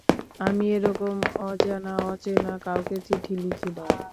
আমি এ রকম অজানা-অচেনা কাউকে চিঠি লিখি না।